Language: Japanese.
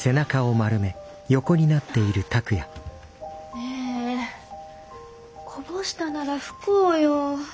ねえこぼしたなら拭こうよ。